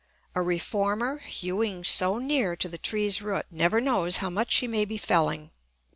A reformer hewing so near to the tree's root never knows how much he may be felling.